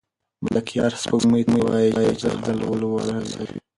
ملکیار سپوږمۍ ته وايي چې د ده حال ورسوي.